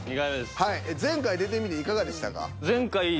前回出てみていかがでしたか？